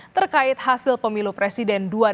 terkait hasil pemilu presiden dua ribu dua puluh empat